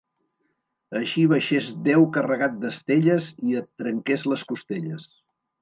Així baixés Déu carregat d'estelles i et trenqués les costelles!